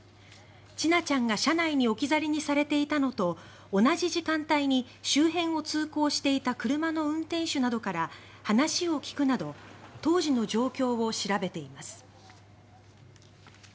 千奈ちゃんが車内に置き去りにされていたのと同じ時間帯に周辺を通行していた車の運転手などから話を聞くなど当時の状況を調べています。